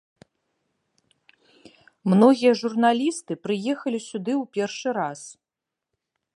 Многія журналісты прыехалі сюды ў першы раз.